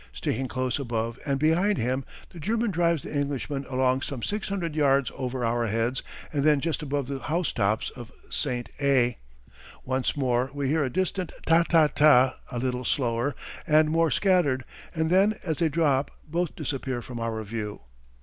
Sticking close above and behind him the German drives the Englishman along some six hundred yards over our heads and then just above the housetops of St. A. Once more we hear a distant ta ta ta a little slower and more scattered and then as they drop both disappear from our view.